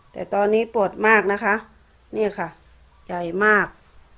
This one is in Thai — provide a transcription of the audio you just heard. แต่ตอนนี้ปวดมากนะคะนี่ค่ะใหญ่มาก